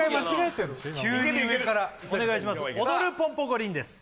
急に上からお願いします